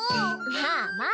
まあまあ。